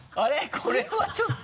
これはちょっと。